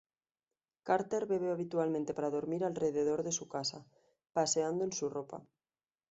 Carter bebe habitualmente para dormir alrededor de su casa, paseando en su ropa.